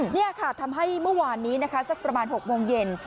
นี่ค่ะทำให้เมื่อวานนี้นะคะสักประมาณ๖โมงเย็น